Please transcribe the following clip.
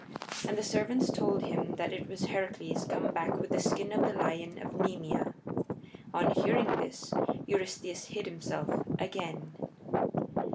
And the servants told him that it was Heracles come back with the skin of the lion of Nemea. On hearing this Eurystheus hid himself again.